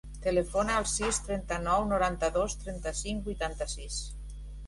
Telefona al sis, trenta-nou, noranta-dos, trenta-cinc, vuitanta-sis.